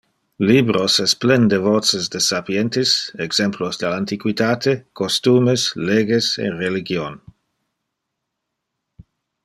Libros es plen del voces de sapientes, exemplos del antiquitate, costumes, leges e religion.